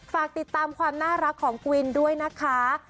ฝากติดตามความน่ารักของกวินด้วยนะคะ